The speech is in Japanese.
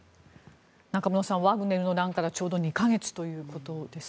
中室さんワグネルの乱からちょうど２か月ということです。